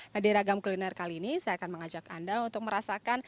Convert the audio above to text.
nah di ragam kuliner kali ini saya akan mengajak anda untuk merasakan